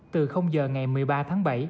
từ giờ ngày một mươi ba tháng bảy